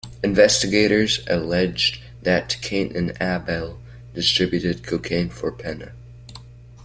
Investigators alleged that Kane and Abel distributed cocaine for Pena.